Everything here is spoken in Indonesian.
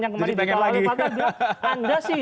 yang kemarin dikawal partai bilang anda sih